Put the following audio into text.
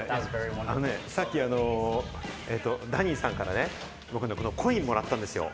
さっきダニーさんからね、僕、コインをもらったんですよ。